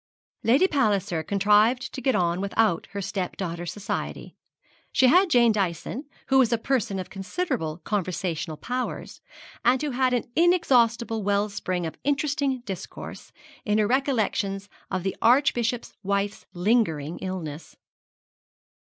Lady Palliser contrived to get on without her step daughter's society. She had Jane Dyson, who was a person of considerable conversational powers, and who had an inexhaustible well spring of interesting discourse in her recollections of the Archbishop's wife's lingering illness.